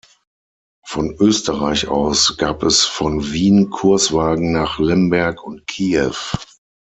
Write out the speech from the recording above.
Von Österreich aus gab es von Wien Kurswagen nach Lemberg und Kiew.